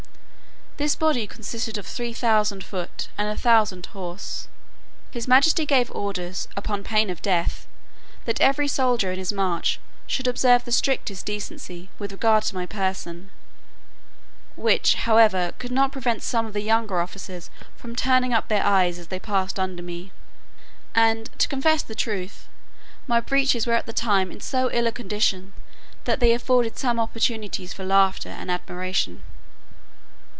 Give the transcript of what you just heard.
This body consisted of three thousand foot, and a thousand horse. His majesty gave orders, upon pain of death, that every soldier in his march should observe the strictest decency with regard to my person; which however could not prevent some of the younger officers from turning up their eyes as they passed under me: and, to confess the truth, my breeches were at that time in so ill a condition, that they afforded some opportunities for laughter and admiration.